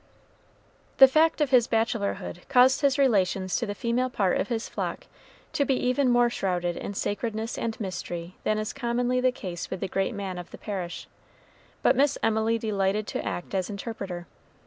The fact of his bachelorhood caused his relations to the female part of his flock to be even more shrouded in sacredness and mystery than is commonly the case with the great man of the parish; but Miss Emily delighted to act as interpreter.